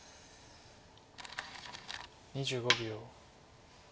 ２５秒。